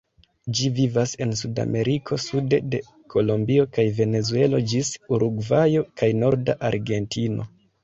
Ĝi vivas en Sudameriko, sude de Kolombio kaj Venezuelo ĝis Urugvajo kaj norda Argentino.